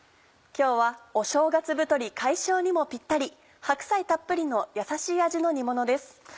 今日はお正月太り解消にもぴったり白菜たっぷりのやさしい味の煮ものです。